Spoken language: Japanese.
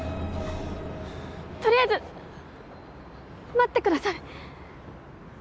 取りあえず待ってください。